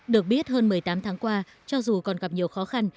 được biết hơn một mươi tám tháng qua cho dù còn gặp nhiều khó khăn